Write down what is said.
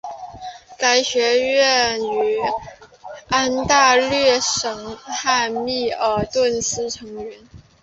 该学院位于安大略省汉密尔顿市成员。